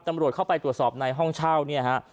ตำรวจเข้าไปตรวจสอบในห้องเช่าเนี่ยฮะ